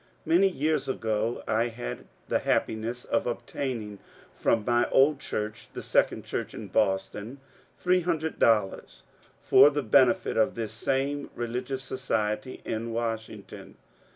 Many years ago I had the happiness of obtaining from my old church, the " Second Church " in Boston, f 300 for the benefit of this same religious society in Washington.